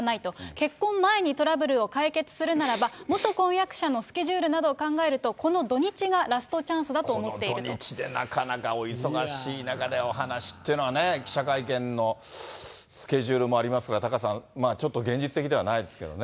結婚前にトラブルを解決するならば、元婚約者のスケジュールなどを考えると、この土日がラストチこの土日でなかなかお忙しい中で、お話しってのはね、記者会見のスケジュールもありますが、タカさん、ちょっと現実的ではないですけどね。